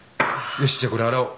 よしじゃこれ洗おう。